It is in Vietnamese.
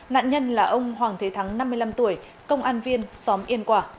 nạn nhân là ông hoàng thế thắng năm mươi năm tuổi công an viên xóm yên quả